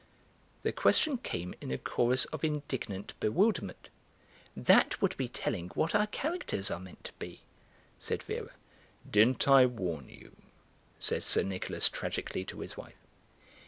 The question came in a chorus of indignant bewilderment. "That would be telling what our characters are meant to be," said Vera. "Didn't I warn you?" said Sir Nicholas tragically to his wife.